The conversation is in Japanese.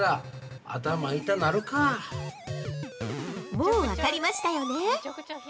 ◆もう分かりましたよね？